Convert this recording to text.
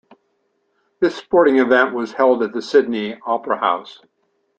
This sporting event was held at the Sydney Opera House.